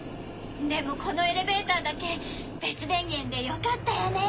でもこのエレベーターだけ別電源でよかったよね。